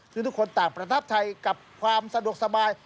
ซึ่งทุกคนต่างประทับใจกับความสะดวกสบาย